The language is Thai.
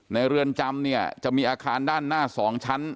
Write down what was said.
เรือนจำเนี่ยจะมีอาคารด้านหน้า๒ชั้น